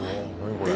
これ。